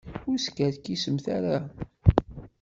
Ur skerkisemt ara.